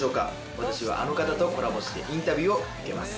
私はあの方とコラボしてインタビューを受けます。